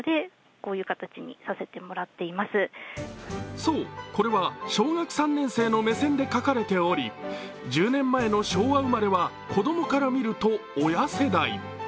そう、これは小学３年生の目線で書かれており１０年前の昭和生まれは子供から見ると親世代。